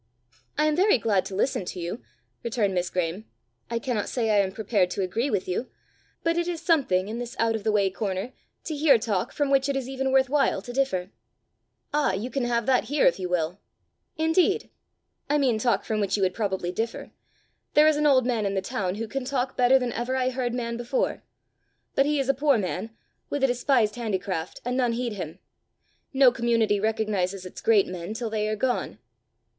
"I am very glad to listen to you," returned Miss Graeme. "I cannot say I am prepared to agree with you. But it is something, in this out of the way corner, to hear talk from which it is even worth while to differ." "Ah, you can have that here if you will!" "Indeed!" "I mean talk from which you would probably differ. There is an old man in the town who can talk better than ever I heard man before. But he is a poor man, with a despised handicraft, and none heed him. No community recognizes its great men till they are gone."